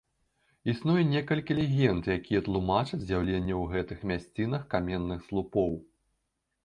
Існуе некалькі легенд, якія тлумачаць з'яўленне ў гэтых мясцінах каменных слупоў.